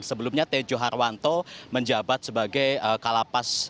sebelumnya tejo harwanto menjabat sebagai kalapas